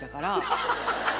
ハハハハ！